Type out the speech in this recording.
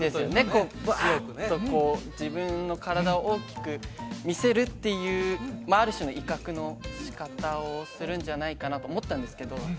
こうバーッとこう自分の体を大きく見せるっていうある種の威嚇のしかたをするんじゃないかなと思ったんですけど